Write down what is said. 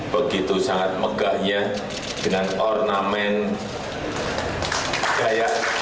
begitu sangat megahnya dengan ornamen dayak